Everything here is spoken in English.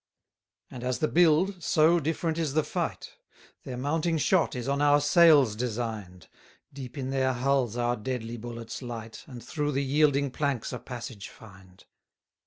60 And as the build, so different is the fight; Their mounting shot is on our sails design'd: Deep in their hulls our deadly bullets light, And through the yielding planks a passage find.